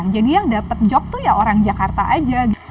jadi yang dapat job tuh ya orang jakarta aja